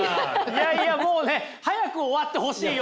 いやいやもうね早く終わってほしいようなね！